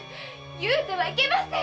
言うてはいけません